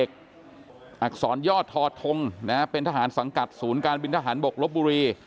อักษรยอดทอทงเป็นทหารสังกัดศูนย์การบินทหารบกลบบุรี